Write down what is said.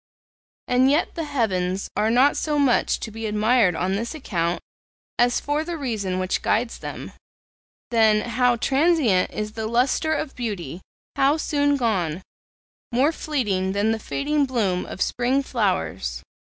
And yet the heavens are not so much to be admired on this account as for the reason which guides them. Then, how transient is the lustre of beauty! how soon gone! more fleeting than the fading bloom of spring flowers.